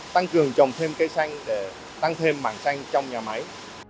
tăng cường trồng thêm cây xanh để tăng thêm mảng xanh trong nhà máy